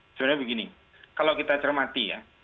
sebenarnya begini kalau kita cermati ya